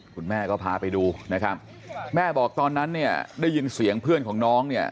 คุณแม่ก็พาไปดูนะครับแม่บอกตอนนั้นเนี่ยได้ยินเสียงเพื่อนของน้องเนี่ย